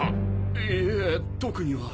いえ特には。